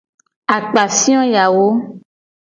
Akpafio yawo.